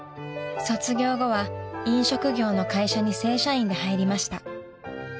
［卒業後は飲食業の会社に正社員で入りました］